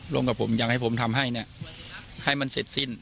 ร่วมกับผมอยากให้ผมทำให้เนี่ยให้มันเสร็จสิ้น